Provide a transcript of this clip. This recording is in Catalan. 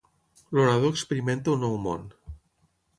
El nadó experimenta un nou món